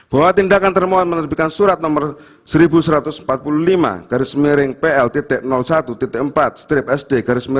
bahwa tindakan termohon menerbitkan surat no seribu satu ratus empat puluh lima pl satu empat sd lima dua ribu dua puluh tiga